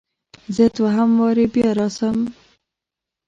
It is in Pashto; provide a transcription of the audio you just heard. زه دوهم واري بیا راسم؟